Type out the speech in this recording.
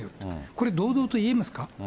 これ、堂々と言えますか？